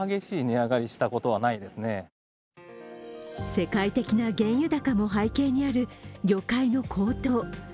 世界的な原油高も背景にある魚介の高騰。